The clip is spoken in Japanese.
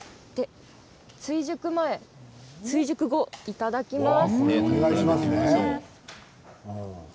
追熟前、追熟後いただきます。